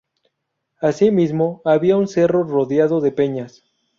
Asimismo había un cerro rodeado de peñas.